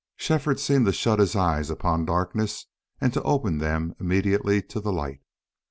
Shefford seemed to shut his eyes upon darkness and to open them immediately to the light.